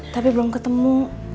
tapi belum ketemu